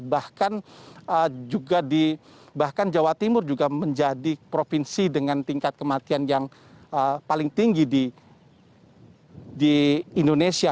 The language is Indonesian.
bahkan jawa timur juga menjadi provinsi dengan tingkat kematian yang paling tinggi di indonesia